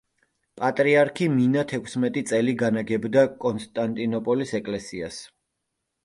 პატრიარქი მინა თექვსმეტი წელი განაგებდა კონსტანტინოპოლის ეკლესიას.